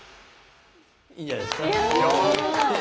いいんじゃないすか？